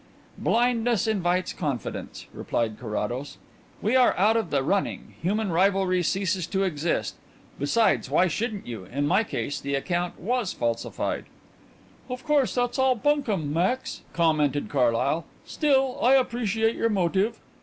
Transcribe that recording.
"Blindness invites confidence," replied Carrados. "We are out of the running human rivalry ceases to exist. Besides, why shouldn't you? In my case the account was falsified." "Of course that's all bunkum, Max," commented Carlyle. "Still, I appreciate your motive."